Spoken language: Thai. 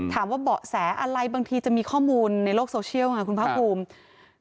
เบาะแสอะไรบางทีจะมีข้อมูลในโลกโซเชียลไงคุณภาคภูมิ